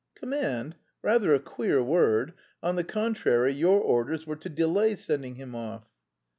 "Command! Rather a queer word.... On the contrary, your orders were to delay sending him off."